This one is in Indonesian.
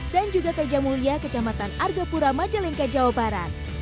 dan juga teja mulia kecamatan argapura majeleng kajawabaran